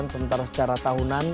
sementara secara tahunan